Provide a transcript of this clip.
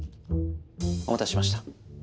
お待たせしました。